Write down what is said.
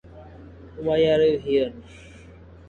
Why are you here?